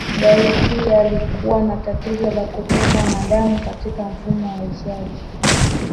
Daisy alikuwa na tatizo la kutokwa na damu katika mfumo wa uzazi